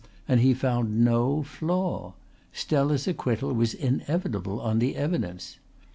And he found no flaw. Stella's acquittal was inevitable on the evidence.